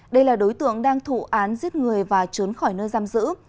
đây là đối tượng đang thụ án giết người và trốn khỏi nơi giam giữ